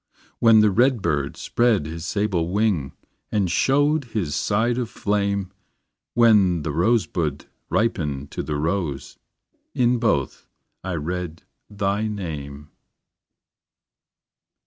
When the redbird spread his sable wing, And showed his side of flame; When the rosebud ripened to the rose, In both I read thy name.